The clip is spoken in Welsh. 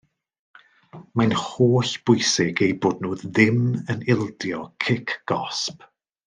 Mae'n holl bwysig eu bod nhw ddim yn ildio cic gosb.